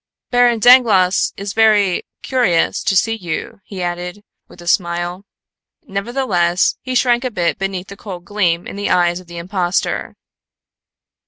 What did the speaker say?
"Baron Dangloss is very curious to see you," he added, with a smile. Nevertheless, he shrank a bit beneath the cold gleam in the eyes of the impostor.